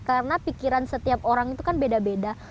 karena pikiran setiap orang itu kan beda beda